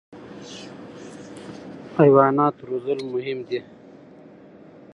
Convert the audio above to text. حیوانات روزل مهم دي.